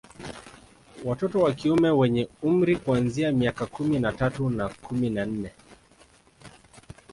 Watoto wa kiume wenye umri kuanzia miaka kumi na tatu na kumi na nne